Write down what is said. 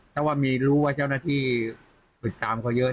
ถ้าว่ามีรู้ว่าเจ้าหน้าที่ฝึกตามเขาเยอะ